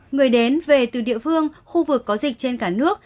người đến về từ địa phương khu vực có dịch trên cả nước